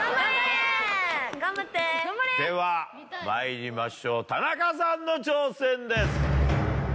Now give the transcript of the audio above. ではまいりましょう田中さんの挑戦です。